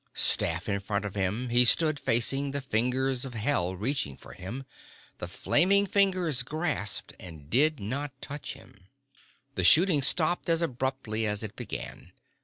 Staff in front of him he stood facing the fingers of hell reaching for him. The flaming fingers grasped, and did not touch him. The shooting stopped as abruptly as it began.